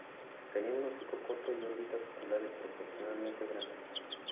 Tenía un hocico corto y órbitas oculares proporcionalmente grandes.